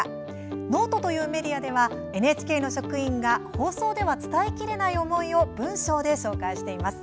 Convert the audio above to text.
ｎｏｔｅというメディアではＮＨＫの職員が放送では伝えきれない思いを文章で紹介しています。